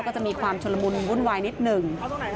ก็จะมีความชุลมุนวุ่นวายนิดหนึ่ง